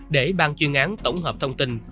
để ban chuyên án tổng hợp thông tin